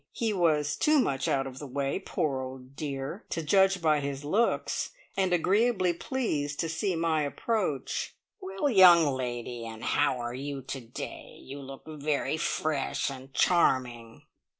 He was too much out of the way, poor old dear! to judge by his looks, and agreeably pleased to see my approach. "Well, young lady, and how are you to day? You look very fresh and charming!"